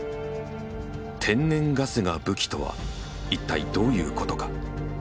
天然ガスが武器とは一体どういうことか？